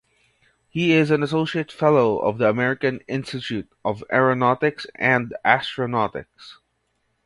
He is an associate fellow of the American Institute of Aeronautics and Astronautics.